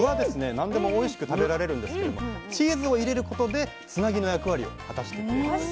何でもおいしく食べられるんですけれどもチーズを入れることでつなぎの役割を果たしているわけですね。